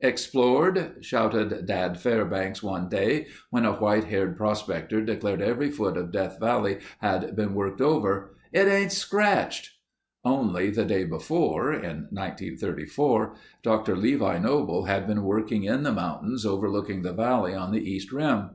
"Explored?" shouted Dad Fairbanks one day when a white haired prospector declared every foot of Death Valley had been worked over. "It isn't scratched!" Only the day before (in 1934), Dr. Levi Noble had been working in the mountains overlooking the valley on the east rim.